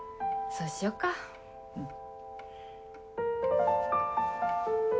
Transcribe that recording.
そうしようかうん。